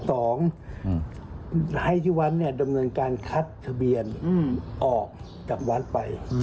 ให้ที่วัดเนี่ยดำเนินการคัดทะเบียนออกจากวัดไป